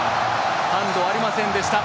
ハンドありませんでした。